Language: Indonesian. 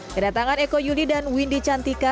kedatangan eko yuli dan windy cantika